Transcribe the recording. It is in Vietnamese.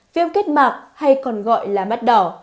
viêm kết mạc hay còn gọi là mắt đỏ